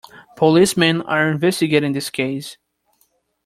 Policemen are investigating in this case.